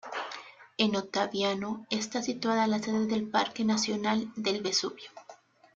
En Ottaviano está situada la sede del Parque Nacional del Vesubio.